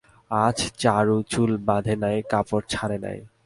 আজ চারু চুল বাঁধে নাই, কাপড় ছাড়ে নাই।